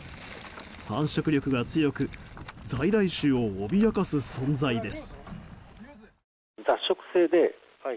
繁殖力が強く在来種を脅かす存在です。